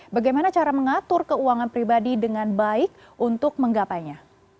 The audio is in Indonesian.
bagaimana cara mengatur keuangan pribadi dengan baik untuk menggapainya